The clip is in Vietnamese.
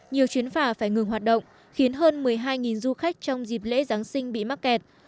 nhiều chuyến phà phải ngừng hoạt động khiến hơn một mươi hai du khách trong dịp lễ giáng sinh bị mắc kẹt